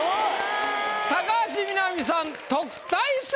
高橋みなみさん特待生！